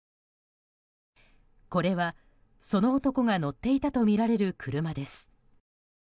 これはその男が乗っていたとみられる車です。